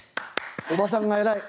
おばさんが偉い。